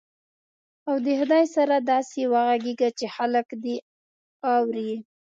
او د خدای سره داسې وغږېږه چې خلک دې اوري.